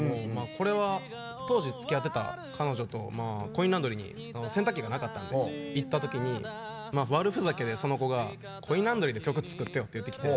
これは、当時つきあってた彼女とコインランドリーに洗濯機がなかったので行ったときに悪ふざけでその子が「コインランドリー」って曲作ってって。